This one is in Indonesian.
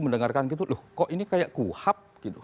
mendengarkan gitu loh kok ini kayak kuhap